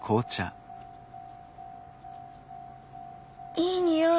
いい匂い。